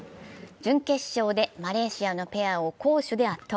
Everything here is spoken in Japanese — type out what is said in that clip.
準決勝でマレーシアのペアを攻守で圧倒。